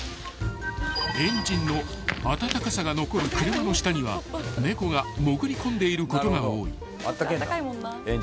［エンジンの温かさが残る車の下には猫が潜り込んでいることが多い］